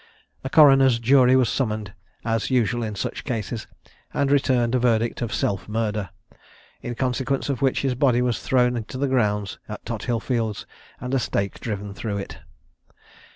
A coroner's jury was summoned, as usual in such cases, and returned a verdict of "self murder;" in consequence of which his body was thrown into the ground in Tothillfields, and a stake driven through it.